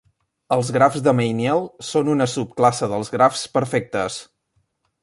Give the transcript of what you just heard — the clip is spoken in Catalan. Els grafs de Meyniel són una subclasse dels grafs perfectes.